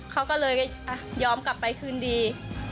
เขาก็เลยยอมกลับไปคืนดี